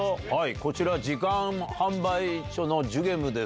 こちら、時間販売所のじゅげむです。